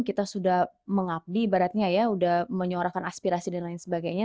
kita sudah mengabdi ibaratnya ya sudah menyuarakan aspirasi dan lain sebagainya